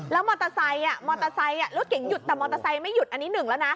แล้วมอเตอร์ไซค์มอเตอร์ไซค์รถเก่งหยุดแต่มอเตอร์ไซค์ไม่หยุดอันนี้หนึ่งแล้วนะ